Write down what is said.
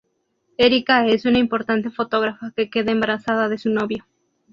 Érika es una importante fotógrafa que queda embarazada de su novio.